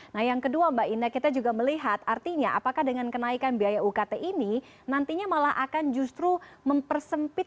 nah yang kedua mbak indah kita juga melihat artinya apakah dengan kenaikan biaya ukt ini nantinya malah akan justru mempersempit